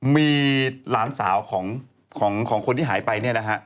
มีหลานสาวของคนที่หายไป